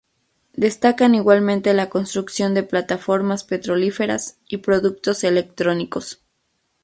Destacan igualmente la construcción de plataformas petrolíferas y productos electrónicos.